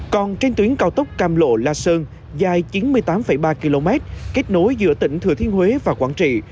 còn trên tuyến cao tốc cam lộ la sơn dài chín mươi tám ba km kết nối giữa tỉnh thừa thiên huế và quảng trị